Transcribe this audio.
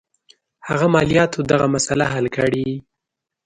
هغه مالیاتو دغه مسله حل کړي.